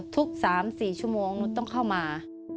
ทุก๓๔ชั่วโมงหนูต้องเข้ามา